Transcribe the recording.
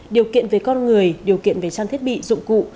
điều kiện về con người điều kiện về trang thiết bị dụng cụ